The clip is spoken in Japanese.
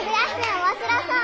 おもしろそう。